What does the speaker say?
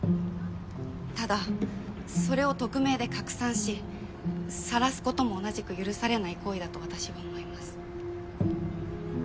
ただそれを匿名で拡散し晒すことも同じく許されない行為だと私は思います。